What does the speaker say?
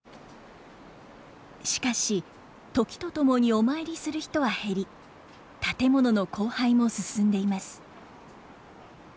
しかし時とともにお参りする人は減り建物の荒廃も進んでいます。